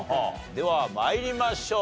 では参りましょう。